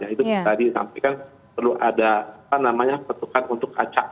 itu tadi disampaikan perlu ada petukan untuk acak